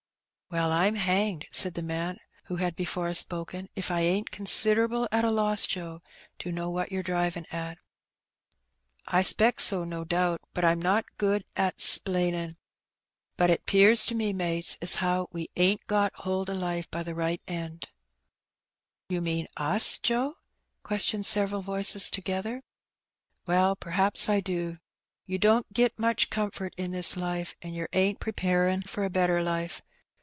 "Well, I'm hanged," said the man who had before spoken, "if I ain't considerable at a loss, Joe, to know what yer drivin' at." "I 'spects so, no doubt, but I'm not good at 'splainin'; but it 'pears to me, mates, as how we ain't got hold o* life by the right end." " Yer mean us, Joe ?" questioned several voices together. "Well, p'r'aps I do. You don't git much comfort in this life, and yer ain't preparin' for a better life.